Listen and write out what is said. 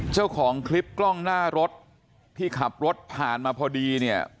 เจ้าของคลิปกล้องหน้ารถที่ขับรถผ่านมาพอดีเนี่ย